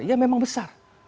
ya memang besar